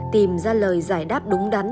tìm ra lời giải đáp đúng đắn